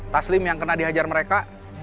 taslim yang kena dihajar mereka